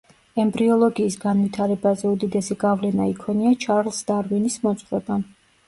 ემბრიოლოგიის განვითარებაზე უდიდესი გავლენა იქონია ჩარლზ დარვინის მოძღვრებამ.